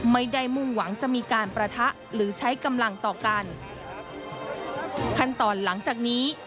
มุ่งหวังจะมีการประทะหรือใช้กำลังต่อกันขั้นตอนหลังจากนี้